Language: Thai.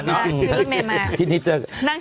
นั่งคิดอยู่